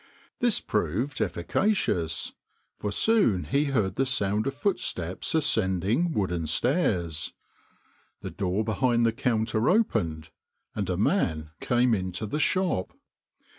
This proved efficacious, for soon he heard the sound of footsteps ascending wooden stairs, the door behind the counter opened and a man came into the shop.